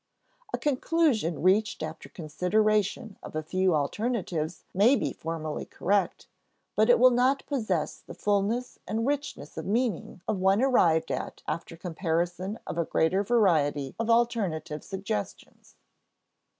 A conclusion reached after consideration of a few alternatives may be formally correct, but it will not possess the fullness and richness of meaning of one arrived at after comparison of a greater variety of alternative suggestions.